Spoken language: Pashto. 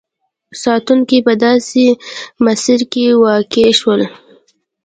ساتونکي په داسې مسیر کې واقع شول.